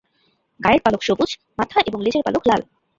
গায়ের পালক সবুজ, মাথা এবং লেজের পালক লাল।